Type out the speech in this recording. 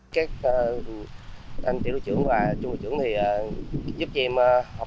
các anh tiểu đoàn trưởng và trung đoàn trưởng thì giúp cho em học